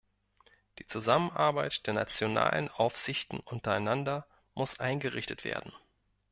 Die Zusammenarbeit der nationalen Aufsichten untereinander muss eingerichtet werden.